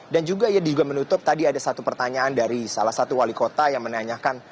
dan juga ia juga menutup tadi ada satu pertanyaan dari salah satu wali kota yang menanyakan